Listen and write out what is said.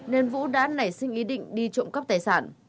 nên vũ đã nảy sinh ý định đi trộm cắp tài sản